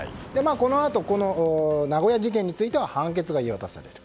このあと名古屋事件については判決が言い渡される。